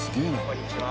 こんにちは。